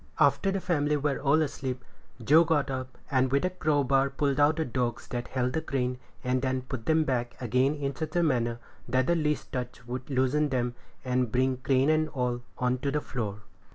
After the family were all asleep, Joe got up, and with a crowbar pulled out the dogs that held the crane, and then put them back again in such a manner that the least touch would loosen them, and bring crane and all on to the floor.